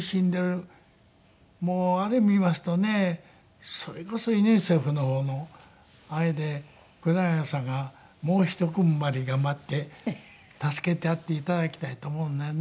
もうあれ見ますとねそれこそユニセフのあれで黒柳さんがもう一踏ん張り頑張って助けてやって頂きたいと思うんでね。